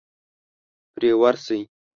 پرې ورشئ.